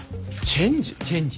チェンジ。